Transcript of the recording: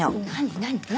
何？